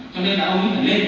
cho nên là ông ấy phải lên